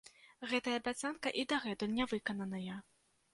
Гэтая абяцанка і дагэтуль нявыкананая.